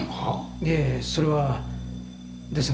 いえそれは。ですが。